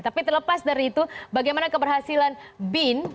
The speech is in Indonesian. tapi terlepas dari itu bagaimana keberhasilan bin